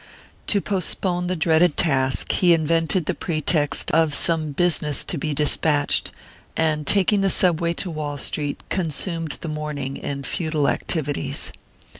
To postpone the dreaded task, he invented the pretext of some business to be despatched, and taking the Subway to Wall Street consumed the morning in futile activities.